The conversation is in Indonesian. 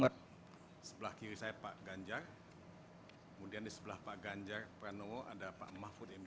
sebelah kiri saya pak ganjar kemudian di sebelah pak ganjar pranowo ada pak mahfud md